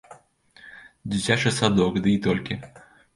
Дзіцячы садок дый толькі.